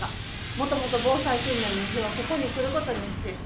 もともと防災訓練の日はここに来ることにしちゅうし。